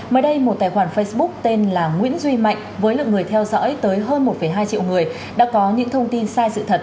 mới đây một tài khoản facebook tên là nguyễn duy mạnh với lượng người theo dõi tới hơn một hai triệu người đã có những thông tin sai sự thật